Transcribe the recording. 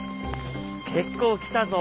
結構来たぞ。